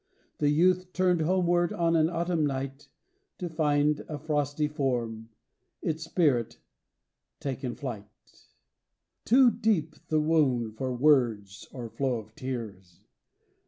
The youth turned homeward on an autumn night To find a frosty form: its spirit taken flight. IX. Too deep the wound for words or flow of tears!